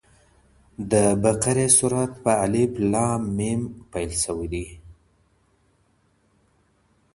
د بقرې سورت په{ا.ل.م} پيل سوی دی.